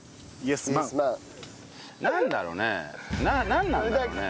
なんなんだろうね？